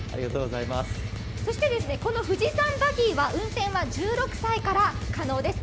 この富士山バギーは運転は１６歳から可能です。